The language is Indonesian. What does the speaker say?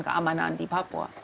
keamanan di papua